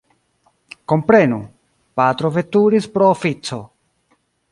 Komprenu, patro veturis pro oﬁco.